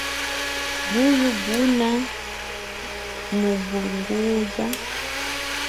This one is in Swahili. Buyi buna mulunguza